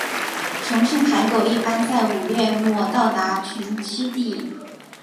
雄性海狗一般在五月末到达群栖地。